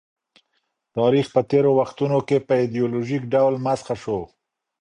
تاریخ په تېرو وختونو کي په ایډیالوژیک ډول مسخ سو.